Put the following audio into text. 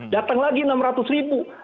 datang lagi enam ratus ribu